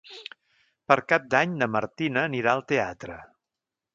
Per Cap d'Any na Martina anirà al teatre.